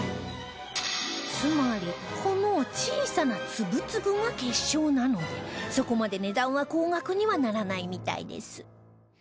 つまりこの小さな粒々が結晶なのでそこまで値段は高額にはならないみたいです